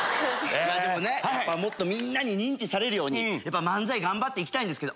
でもねもっとみんなに認知されるようにやっぱ漫才頑張って行きたいんですけど。